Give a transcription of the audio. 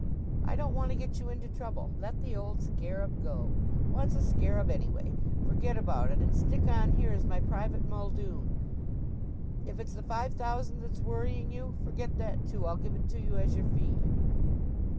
I don't want to get you into trouble. Let the old scarab go. What's a scarab anyway? Forget about it and stick on here as my private Muldoon. If it's the five thousand that's worrying you, forget that too. I'll give it to you as your fee."